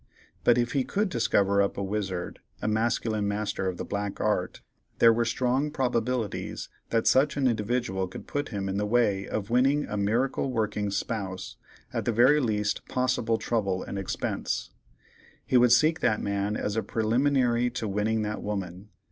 But if he could discover up a wizard, a masculine master of the Black Art, there were strong probabilities that such an individual could put him in the way of winning a miracle working spouse, at the very least possible trouble and expense. He would seek that man as a preliminary to winning that woman.